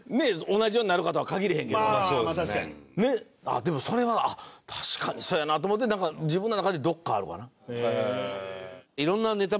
でもそれはあっ確かにそやなと思うてなんか自分の中でどこかあるわな。